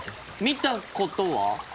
見たことは？